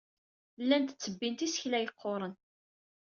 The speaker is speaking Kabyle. Llant ttebbint isekla yeqquren.